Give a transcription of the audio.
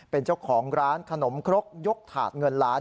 เป็นเจ้าของร้านขนมครกยกถาดเงินล้าน